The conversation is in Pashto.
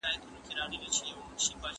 که ټول مؤمنان ښو کارونه وکړي، ټولنه به ښه شي.